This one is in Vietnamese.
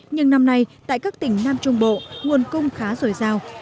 nhưng năm nay tại các tỉnh nam trung bộ nguồn cung khá dồi dào